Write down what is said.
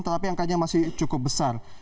tetapi angkanya masih cukup besar